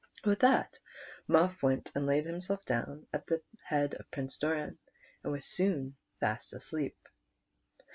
With that Muff went and laid himself down at the head of Prince Doran, and was soon fast asleep.